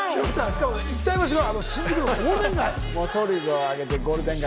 行きたい場所は新宿のゴールデン街。